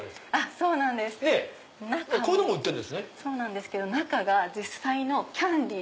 そうなんですけど中が実際のキャンディー。